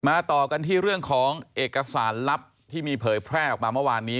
ต่อกันที่เรื่องของเอกสารลับที่มีเผยแพร่ออกมาเมื่อวานนี้